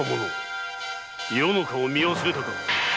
余の顔を見忘れたか？